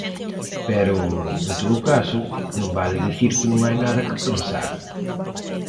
Pero, en todo caso, non vale dicir que non hai nada que pensar.